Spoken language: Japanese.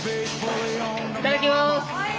いただきます！